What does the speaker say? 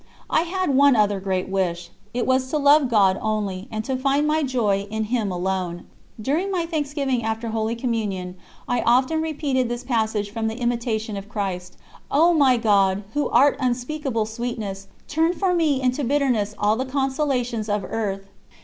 I had one other great wish; it was to love God only, and to find my joy in Him alone. During my thanksgiving after Holy Communion I often repeated this passage from the Imitation of Christ: "O my God, who art unspeakable sweetness, turn for me into bitterness all the consolations of earth."